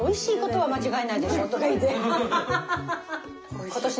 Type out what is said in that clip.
はい。